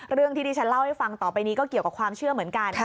เรื่องที่ที่ฉันเล่าให้ฟังต่อไปนี้ก็เกี่ยวกับความเชื่อเหมือนกัน